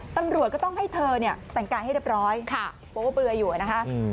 ตำรวจก็ต้องให้เธอเนี่ยแต่งกายให้เรียบร้อยเพราะว่าเบื่ออยู่นะคะ